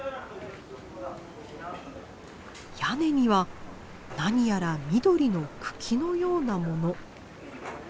屋根には何やら緑の茎のような物。